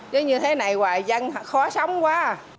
chứ như thế này hoài dân khó sống quá